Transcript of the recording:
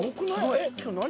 えっ今日何？